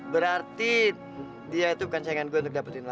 berarti dia itu bukan sayangan gue untuk dapat duit lo